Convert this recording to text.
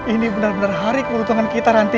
ini benar benar hari keberuntungan kita nanti